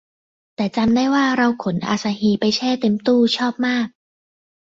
แต่จำได้ว่าเราขนอาซาฮีไปแช่เต็มตู้ชอบมาก